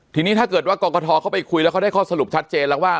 ทีนี้ถ้าเกิดว่ากรกฐเข้าไปคุยแล้วเขาได้ข้อสรุปชัดเจนแล้วว่า